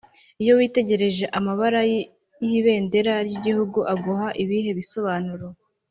Iyo witegereje amabara y’ibendera ry’igihugu aguha ibihe bisobanuro